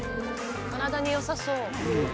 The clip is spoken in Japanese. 体によさそう。